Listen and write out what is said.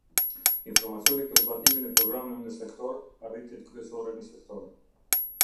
Informacioni për zbatimin e programeve në sektor Arritjet kryesore në sektor.